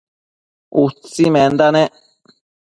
utsimenda nec